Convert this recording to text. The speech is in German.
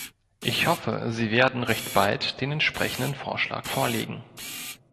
Ich hoffe, Sie werden recht bald den entsprechenden Vorschlag vorlegen.